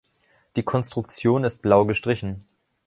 Die Konstruktion ist blau gestrichen.